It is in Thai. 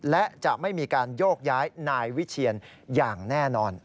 และจะไม่มีการโยกย้ายนายวิเชียนอย่างแน่นอน